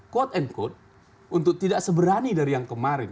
quote and quote untuk tidak seberani dari yang kemarin